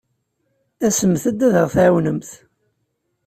Asemt-d ad aɣ-tɛawnemt.